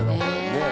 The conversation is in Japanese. ねえ。